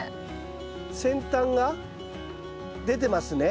先端が出てますね。